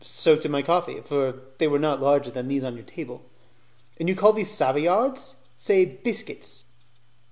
"Soaked in my coffee, for they were not larger than these on your table." "And you call these 'Savoyards'? Say biscuits."